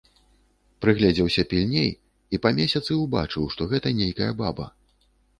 Прыгледзеўся пільней і па месяцы ўбачыў, што гэта нейкая баба.